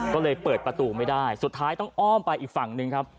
ก็เลยเปิดประตูไม่ได้สุดท้ายต้องอ้อมไปอีกฝั่งหนึ่งครับ